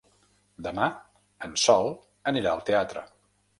Demà en Sol anirà al teatre.